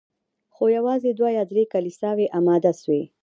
خو یوازي دوه یا درې کلیساوي اماده سوې